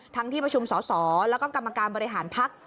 ทั้งที่ประชุมสอสอแล้วก็กรรมการบริหารพักษณ์